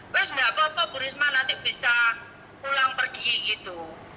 west nggak apa apa bu risma nanti bisa pulang pergi gitu